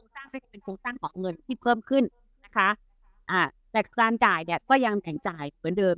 ตั้งของเงินที่เพิ่มขึ้นนะคะอ่าแต่การจ่ายเนี้ยก็ยังแข็งจ่ายเหมือนเดิม